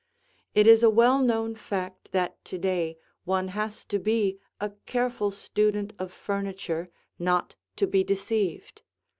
It is a well known fact that to day one has to be a careful student of furniture not to be deceived.